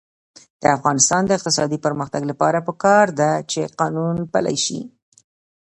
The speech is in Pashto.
د افغانستان د اقتصادي پرمختګ لپاره پکار ده چې قانون پلی شي.